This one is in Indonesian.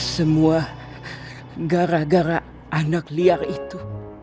semua gara gara anak liar itu